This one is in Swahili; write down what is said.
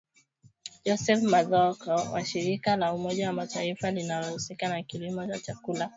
Joseph Mathooko wa Shirika la Umoja wa Mataifa linalohusika na Kilimo na Chakula